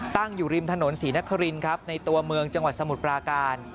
ตั้งอยู่ริมถนนศรีนครินครับในตัวเมืองจังหวัดสมุทรปราการ